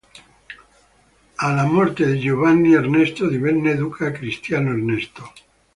Alla morte di Giovanni Ernesto divenne duca Cristiano Ernesto.